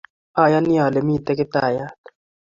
Ayani ale mitei Kiptaiyat